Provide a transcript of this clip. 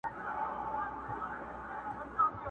خر غریب هم یوه ورځ په هرها سو!!